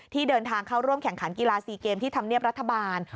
เดินทางเข้าร่วมแข่งขันกีฬา๔เกมที่ทำเนียบรัฐบาล